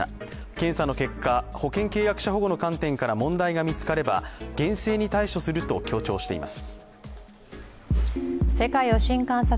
検査の結果、保険契約者保護の観点から問題が見つかれば厳正に対処すると強調しています。